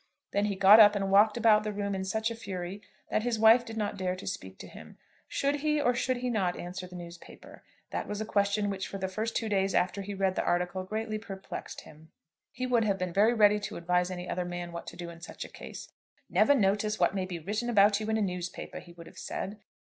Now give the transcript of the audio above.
Then he got up and walked about the room in such a fury that his wife did not dare to speak to him. Should he or should he not answer the newspaper? That was a question which for the first two days after he had read the article greatly perplexed him. He would have been very ready to advise any other man what to do in such a case. "Never notice what may be written about you in a newspaper," he would have said.